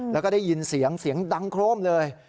แล้วก็ได้ยินเสียงเสียงดังโครมเลย